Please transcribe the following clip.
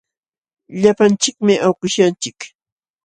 Llapanchikmi awkishyanchik.